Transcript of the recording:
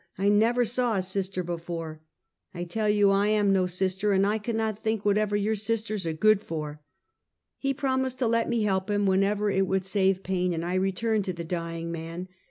I never saw a sister before —"" I tell you I am no sister, and I cannot think what ever your sisters are good for." He promised to let me help him whenever it would save pain, and I returned to the dying man.